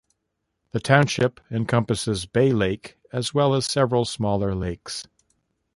The township encompasses Bay Lake as well as several smaller lakes.